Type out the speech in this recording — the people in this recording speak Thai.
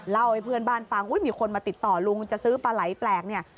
เล่าให้เพื่อนบ้านฟังอุ้ยมีคนมาติดต่อลุงจะซื้อปลาไหลแปลกเนี่ย